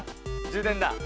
充電だ。